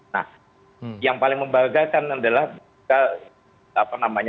nah yang paling membanggakan adalah apa namanya